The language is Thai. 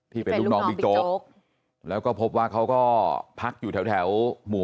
ที่เป็นลูกน้องบิ๊กโจ๊กแล้วก็พบว่าเขาก็พักอยู่แถวหมู่